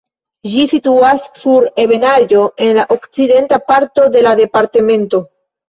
Ĝi situas sur ebenaĵo en la okcidenta parto de la departemento.